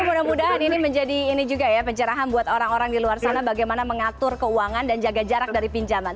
mudah mudahan ini menjadi ini juga ya pencerahan buat orang orang di luar sana bagaimana mengatur keuangan dan jaga jarak dari pinjaman